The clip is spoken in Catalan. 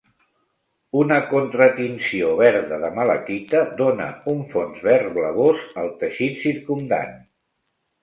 Una contratinció verda de malaquita dona un fons verd blavós al teixit circumdant.